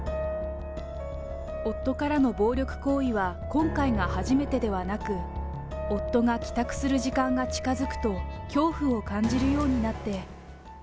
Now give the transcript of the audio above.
夫からの暴力行為は今回が初めてではなく、夫が帰宅する時間が近づくと恐怖を感じるようになって。